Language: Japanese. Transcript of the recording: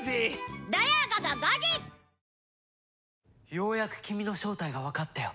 ようやく君の正体がわかったよ